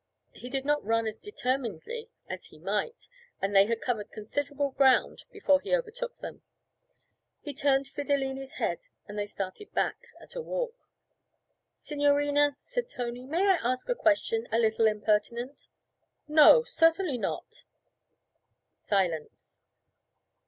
He did not run as determinedly as he might, and they had covered considerable ground before he overtook them. He turned Fidilini's head and they started back at a walk. 'Signorina,' said Tony, 'may I ask a question, a little impertinent?' 'No, certainly not.' Silence.